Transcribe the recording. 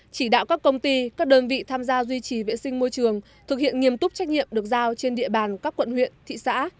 chỉ đạo các công ty các đơn vị tham gia duy trì vệ sinh môi trường thực hiện nghiêm túc trách nhiệm được giao trên địa bàn các quận huyện thị xã